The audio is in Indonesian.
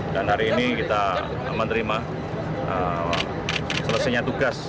dan hari ini kita menerima selesainya tugas